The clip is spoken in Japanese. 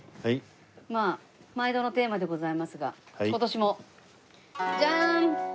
まあ毎度のテーマでございますが今年もジャーン！